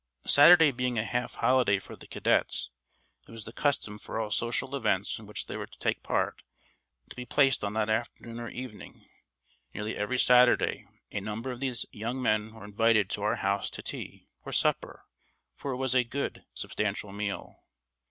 Saturday being a half holiday for the cadets, it was the custom for all social events in which they were to take part to be placed on that afternoon or evening. Nearly every Saturday a number of these young men were invited to our house to tea, or supper, for it was a good, substantial meal.